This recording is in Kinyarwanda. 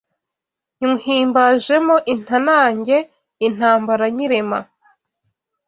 Nywuhimbajemo intanage intambara nyirema